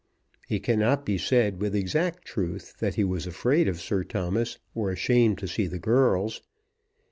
It cannot be said with exact truth that he was afraid of Sir Thomas or ashamed to see the girls.